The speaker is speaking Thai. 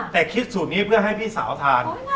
แต่คิดสูตรนี้เพื่อให้พี่สาวทาน